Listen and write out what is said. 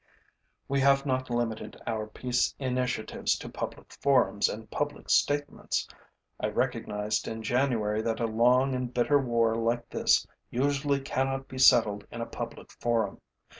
We have not limited our peace initiatives to public forums and public statements. I recognized in January that a long and bitter war like this usually cannot be settled in a public forum.